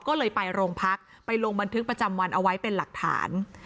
ก็เลยไปโรงพักไปลงบันทึกประจำวันเอาไว้เป็นหลักฐาน